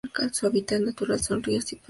Su hábitat natural son ríos y pantanos.